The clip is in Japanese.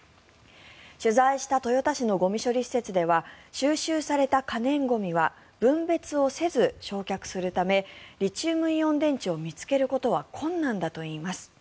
取材した豊田市のゴミ処理施設では収集された可燃ゴミは分別をせず焼却するためリチウムイオン電池を見つけることは困難だといいます。